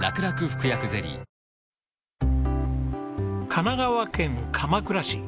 神奈川県鎌倉市。